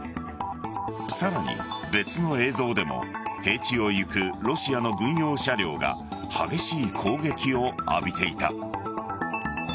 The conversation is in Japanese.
さらに、別の映像でも平地をゆくロシアの軍用車両が激しい攻撃を浴びていた。